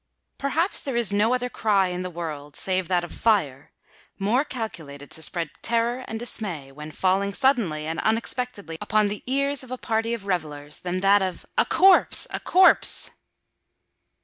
Perhaps there is no other cry in the world, save that of "Fire!" more calculated to spread terror and dismay, when falling suddenly and unexpectedly upon the ears of a party of revellers, than that of "A corpse! a corpse!"